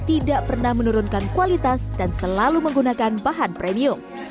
tidak pernah menurunkan kualitas dan selalu menggunakan bahan premium